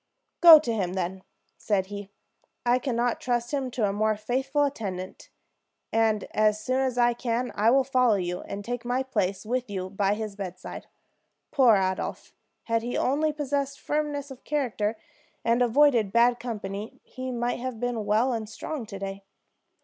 "Go to him, then," said he. "I can not trust him to a more faithful attendant; and as soon as I can I will follow you, and take my place with you by his bedside. Poor Adolphe! Had he only possessed firmness of character, and avoided bad company, he might have been well and strong to day.